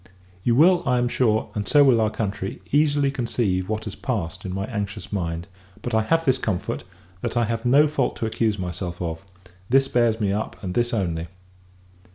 You will, I am sure, and so will our country, easily conceive what has passed in my anxious mind; but I have this comfort, that I have no fault to accuse myself of: this bears me up, and this only.